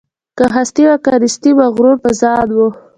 که هستي وه که نیستي مغرور په ځان وو